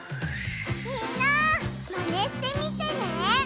みんなマネしてみてね！